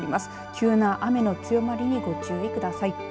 急な雨の強まりにご注意ください。